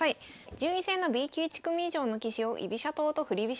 順位戦のＢ級１組以上の棋士を居飛車党と振り飛車